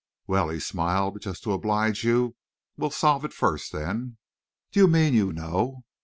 "Well," he smiled, "just to oblige you, we will solve it first, then." "Do you mean you know...."